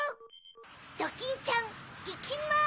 ドキンちゃんいきます！